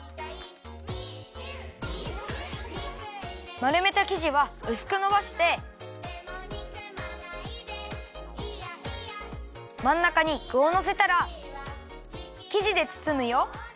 まるめたきじはうすくのばしてまんなかにぐをのせたらきじでつつむよ。